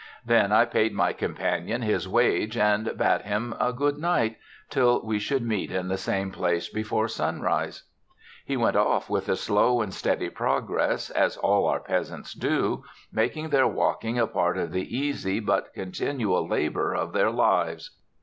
Then I paid my companion his wage, and bade him a good night, till we should meet in the same place before sunrise. He went off with a slow and steady progress, as all our peasants do, making their walking a part of the easy but continual labor of their lives.